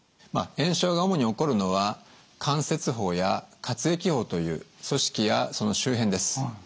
炎症が主に起こるのは関節包や滑液包という組織やその周辺です。